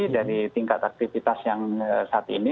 dari tingkat aktivitas yang saat ini